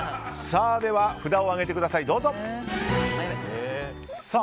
では札を上げてください、どうぞ。